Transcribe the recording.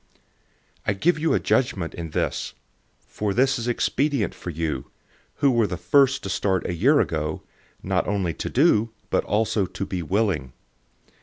008:010 I give a judgment in this: for this is expedient for you, who were the first to start a year ago, not only to do, but also to be willing.